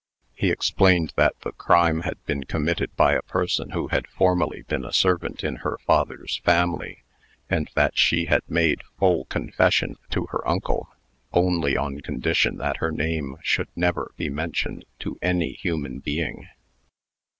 He explained that the crime had been committed by a person who had formerly been a servant in her father's family; and that she had made full confession to her uncle, only on condition that her name should never be mentioned to any human being.